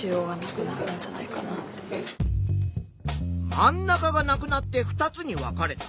真ん中がなくなって２つに分かれた。